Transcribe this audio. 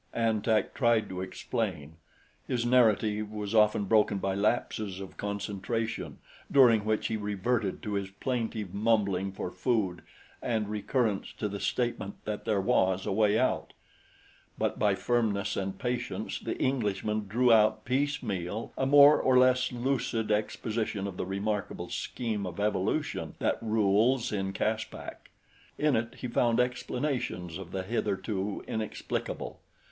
An Tak tried to explain. His narrative was often broken by lapses of concentration during which he reverted to his plaintive mumbling for food and recurrence to the statement that there was a way out; but by firmness and patience the Englishman drew out piece meal a more or less lucid exposition of the remarkable scheme of evolution that rules in Caspak. In it he found explanations of the hitherto inexplicable.